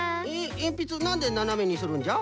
えんぴつなんでななめにするんじゃ？